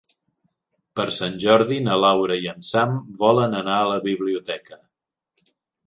Per Sant Jordi na Laura i en Sam volen anar a la biblioteca.